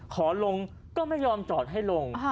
ขอลงก็ไม่ยอมจอดให้ลง